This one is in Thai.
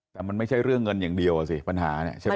แต่มันไม่ใช่เรื่องเงินอย่างเดียวอ่ะสิปัญหาเนี่ยใช่ไหม